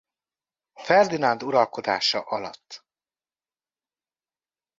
Ferdinánd uralkodása alatt.